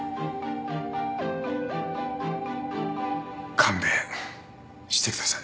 勘弁してください。